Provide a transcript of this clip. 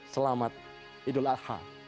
selamat idul adha